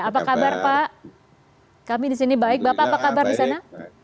apa kabar pak kami di sini baik bapak apa kabar di sana